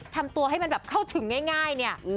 ทำตัวให้เขาถึงง่ายเนี่ย